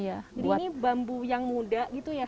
jadi ini bambu yang muda gitu ya